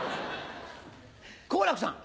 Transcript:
好楽さん。